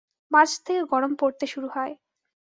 March থেকে গরম পড়তে শুরু হয়।